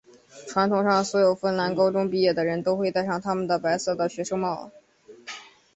传统上所有芬兰高中毕业的人都会带上他们的白色的学生帽。